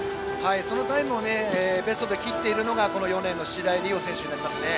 そのタイムをベストで切っているのが４レーンの白井璃緒選手です。